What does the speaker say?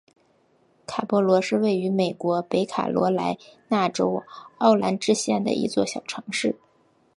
卡勃罗是位于美国北卡罗来纳州奥兰治县的一座小城市。